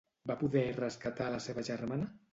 Va poder rescatar la seva germana?